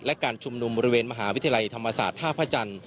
และการชุมนุมบริเวณมหาวิทยาลัยธรรมศาสตร์ท่าพระจันทร์